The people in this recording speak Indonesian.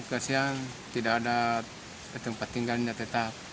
kasian tidak ada tempat tinggalnya tetap